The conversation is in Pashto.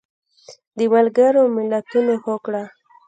د ملګرو ملتونو هوکړه